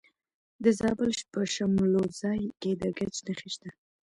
د زابل په شمولزای کې د ګچ نښې شته.